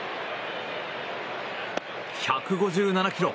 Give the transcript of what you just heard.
１５７キロ。